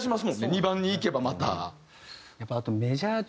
２番にいけばまた。